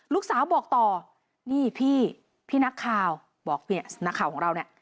ลูกสาวบอกต่อนี่พี่พี่นักข่าวบอกเนี่ยนักข่าวของเราเนี่ย